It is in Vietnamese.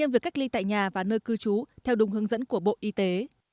việc cách ly tại nhà và nơi cư trú theo đúng hướng dẫn của bộ y tế